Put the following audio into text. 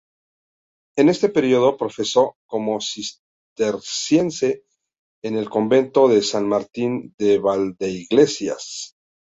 En este periodo profesó como cisterciense en el convento de San Martín de Valdeiglesias.